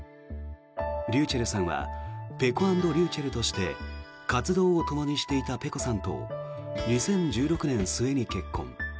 ｒｙｕｃｈｅｌｌさんはぺこ＆りゅうちぇるとして活動をともにしていたｐｅｃｏさんと２０１６年末に結婚。